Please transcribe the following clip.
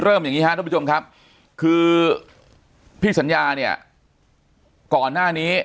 อย่างนี้ครับทุกผู้ชมครับคือพี่สัญญาเนี่ยก่อนหน้านี้